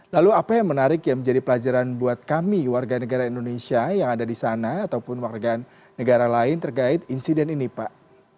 lalu apa yang menarik yang menjadi pelajaran buat kami warga negara indonesia yang ada di sana ataupun warga negara lain terkait insiden ini pak